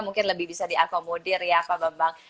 mungkin lebih bisa diakomodir ya pak bambang